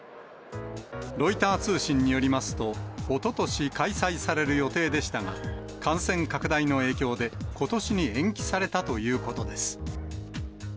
ロイター通信によりますと、おととし開催される予定でしたが、感染拡大の影響で、ことしに延期されたということです。